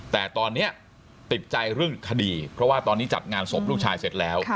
แต่ตอนนี้ติดใจเรื่องคดีเพราะว่าตอนนี้จัดงานศพลูกชายเสร็จแล้ว